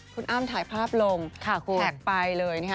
คุณอ้ำถ่ายภาพลงแท็กไปเลยนะคะ